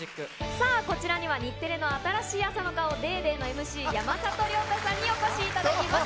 さあ、こちらには日テレの新しい朝の顔、ＤａｙＤａｙ．のＭＣ、山里亮太さんにお越しいただきました。